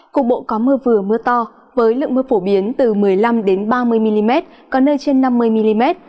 cục bộ có mưa vừa mưa to với lượng mưa phổ biến từ một mươi năm ba mươi mm có nơi trên năm mươi mm